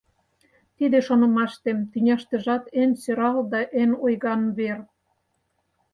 Тиде, шонымаштем, тӱняштыжат эн сӧрал да эн ойган вер.